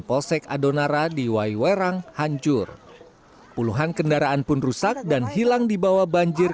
polsek adonara di waiwerang hancur puluhan kendaraan pun rusak dan hilang dibawa banjir